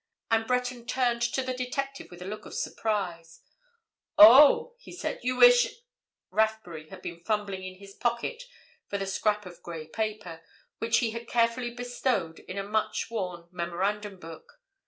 And Breton turned to the detective with a look of surprise. "Oh!" he said. "You wish—" Rathbury had been fumbling in his pocket for the scrap of grey paper, which he had carefully bestowed in a much worn memorandum book.